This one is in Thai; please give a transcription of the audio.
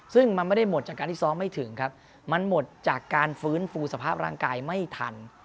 ซึ่งมันไม่ได้หมดจากการที่ซ้อมไม่ถึงครับมันหมดจากการฟื้นฟูสภาพร่างกายไม่ทัน